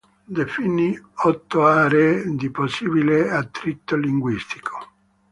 Definì otto aree di possibile attrito linguistico.